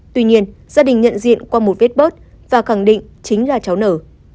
tuy nhiên gia đình nhận diện qua một vết bớt và khẳng định chính là cháu nở